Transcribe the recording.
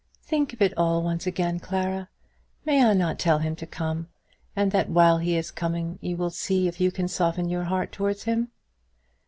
"Think of it all once again, Clara. May I not tell him to come, and that while he is coming you will see if you cannot soften your heart towards him?"